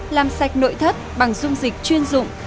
làm sạch nội thất bằng dung dịch chuyên dụng